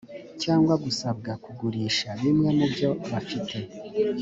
cyangwa gusabwa kugurisha bimwe mubyo bafite